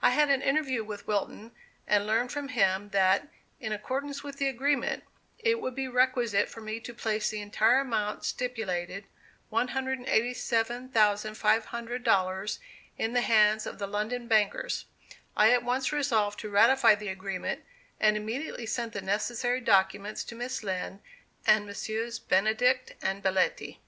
I had an interview with Wilton, and learned from him that, in accordance with the agreement, it would be requisite for me to place the entire amount stipulated, $187,500, in the hands of the London bankers. I at once resolved to ratify the agreement, and immediately sent the necessary documents to Miss Lind and Messrs. Benedict and Belletti.